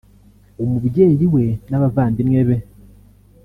umubyeyi we n’abavandimwe be